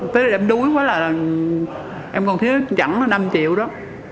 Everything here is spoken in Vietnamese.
tới đây em đuối quá là em còn thiếu chẳng là năm triệu đó